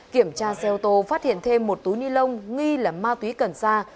kiểm tra xe ô tô phát hiện thêm một túi nilon nghi là ma túy cần xa